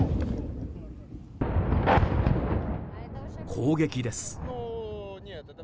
砲撃です。